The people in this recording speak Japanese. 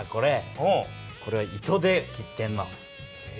これは糸で切ってんの。